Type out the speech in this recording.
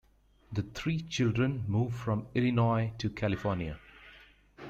The three children move from Illinois to California.